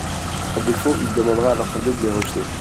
À défaut, il demandera à l’Assemblée de les rejeter.